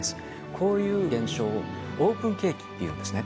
こういう現象をオープン景気っていうんですね。